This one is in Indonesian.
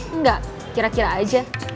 enggak kira kira aja